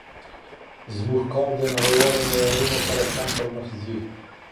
زموږ کار د نړیوالو معیارونو سره سم پرمخ ځي.